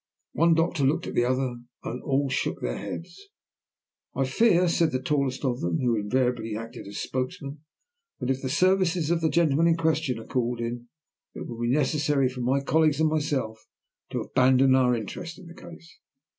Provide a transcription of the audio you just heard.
One doctor looked at the other, and all shook their heads. "I fear," said the tallest of them, who invariably acted as spokesman, "that if the services of the gentleman in question are called in, it will be necessary for my colleagues and myself to abandon our interest in the case.